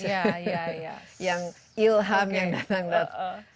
ya ya ya yang ilham yang datang tiba tiba